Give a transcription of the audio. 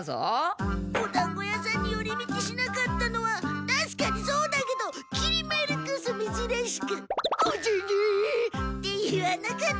おだんご屋さんにより道しなかったのはたしかにそうだけどきり丸こそめずらしく「小ゼニ！」って言わなかったから。